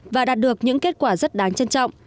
và đạt được những kết quả rất đáng trân trọng